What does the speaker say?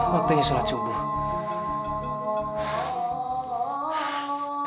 waktunya sholat subuh